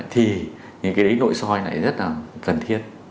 thì những cái đấy nội soi này rất là cần thiết